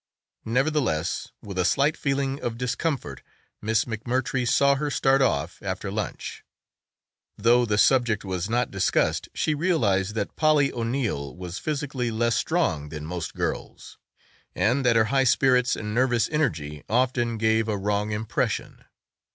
Nevertheless, with a slight feeling of discomfort, Miss McMurtry saw her start off after lunch. Though the subject was not discussed she realized that Polly O'Neill was physically less strong than most girls and that her high spirits and nervous energy often gave a wrong impression.